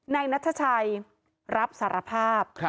นายนัทชัยรับสารภาพ